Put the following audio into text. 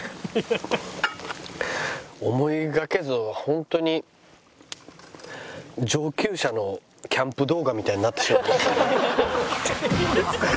思いがけずホントに上級者のキャンプ動画みたいになってしまいましたね。